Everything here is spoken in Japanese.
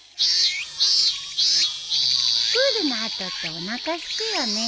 プールの後っておなかすくよね。